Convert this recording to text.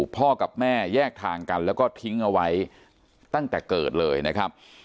พ่อกับแม่แยกทางกันแล้วก็ทิ้งเอาไว้ตั้งแต่เกิดเลยนะครับ